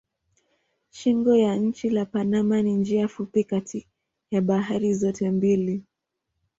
Shingo ya nchi la Panama ni njia fupi kati ya bahari zote mbili.